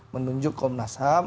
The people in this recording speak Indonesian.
menunjuk kmu komnas ham